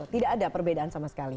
tidak ada perbedaan sama sekali